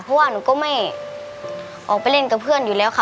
เพราะว่าหนูก็ไม่ออกไปเล่นกับเพื่อนอยู่แล้วค่ะ